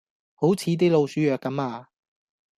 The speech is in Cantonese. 好似啲老鼠藥咁呀